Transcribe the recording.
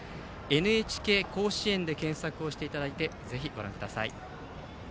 「ＮＨＫ甲子園」で検索していただいてぜひ、ご覧ください。